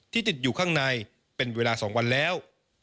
ติดอยู่ข้างในเป็นเวลา๒วันแล้ว